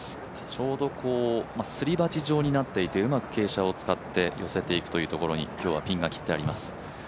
ちょうどすり鉢状になっていてうまく傾斜を使って寄せていくというところに今日はピンが切ってあります。